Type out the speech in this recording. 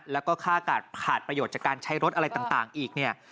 แล้วก็ค่าอากาศขาดประโยชน์จากการใช้รถอะไรต่างอีกเนี่ย